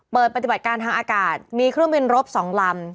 ปฏิบัติการทางอากาศมีเครื่องบินรบ๒ลำ